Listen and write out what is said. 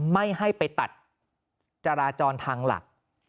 ไม่ให้ไปตัดจราจรทางหลัก